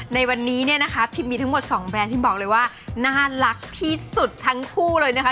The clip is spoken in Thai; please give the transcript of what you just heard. ในวันนี้เนี่ยนะคะพิมมีทั้งหมด๒แบรนด์ที่บอกเลยว่าน่ารักที่สุดทั้งคู่เลยนะคะ